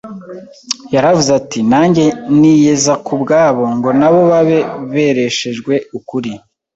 Yaravuze ati: “Nanjye niyeza ku bwabo, ngo nabo babe bereshejwe ukuri.